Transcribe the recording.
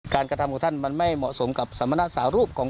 กระทำของท่านมันไม่เหมาะสมกับสมณสารูปของ